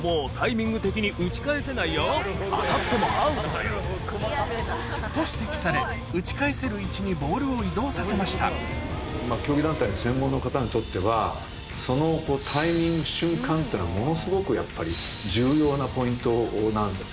すると競技団体からと指摘され打ち返せる位置にボールを移動させました競技団体の専門の方にとってはそのタイミング瞬間っていうのはものすごくやっぱり重要なポイントなんですね。